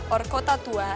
or kota tua